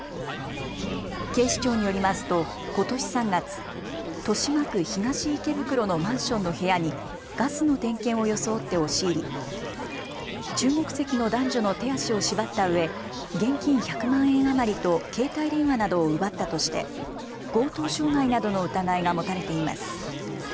警視庁によりますとことし３月、豊島区東池袋のマンションの部屋にガスの点検を装って押し入り中国籍の男女の手足を縛ったうえ現金１００万円余りと携帯電話などを奪ったとして強盗傷害などの疑いが持たれています。